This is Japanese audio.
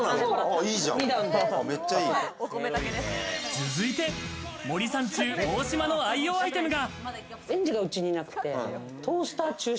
続いて、森三中・大島の愛用アイテムが。